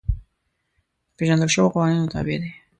د پېژندل شویو قوانینو تابع دي.